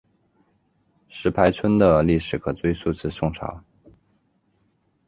石牌村的历史可追溯至宋朝。